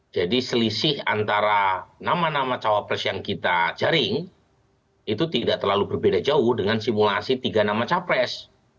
jadi selisih antara nama nama cawapres yang kita jaring itu tidak terlalu berbeda jauh dengan simulasi tiga nama cawapres